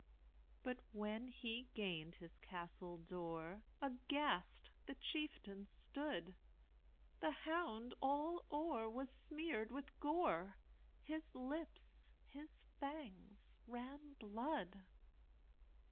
But, when he gained his castle door, Aghast the chieftain stood; The hound all o'er was smeared with gore, His lips, his fangs, ran blood.